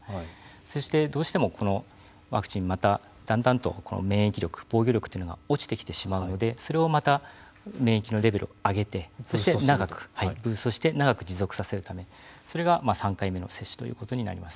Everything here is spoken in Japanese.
そして、どうしてもこのワクチンだんだんと免疫力防御力というのが落ちてきてしまうのでそれをまた免疫のレベルを上げてそして長く長く持続させるためそれが３回目の接種ということになります。